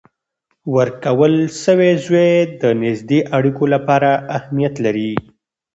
ورکول سوی زوی د نږدې اړیکو لپاره اهمیت لري.